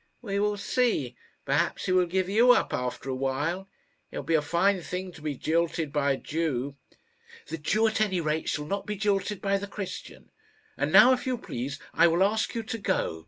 "We will see. Perhaps he will give you up after a while. It will be a fine thing to be jilted by a Jew." "The Jew, at any rate, shall not be jilted by the Christian. And now, if you please, I will ask you to go.